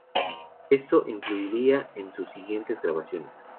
Esto influiría en sus siguientes grabaciones.